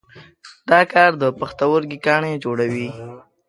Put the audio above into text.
دا کار د پښتورګي کاڼي جوړوي.